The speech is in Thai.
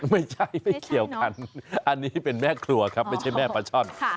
ไม่ใช่ไม่เกี่ยวกันอันนี้เป็นแม่ครัวครับไม่ใช่แม่ปลาช่อน